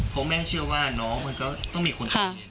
เพราะแม่เชื่อว่าน้องมันก็ต้องมีคนคุย